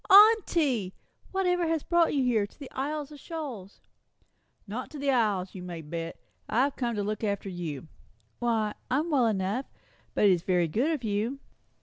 "Aunty! Whatever has brought you here, to the Isles of Shoals?" "Not to see the Isles, you may bet. I've come to look after you." "Why, I'm well enough. But it's very good of you."